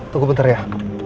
tunggu bentar ya